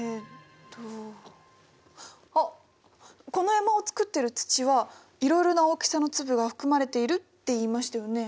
この山を作ってる土はいろいろな大きさの粒が含まれているって言いましたよね？